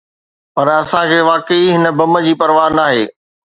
پر اسان کي واقعي هن بم جي پرواهه ناهي.